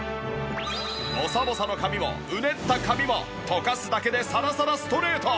ボサボサの髪もうねった髪もとかすだけでサラサラストレート！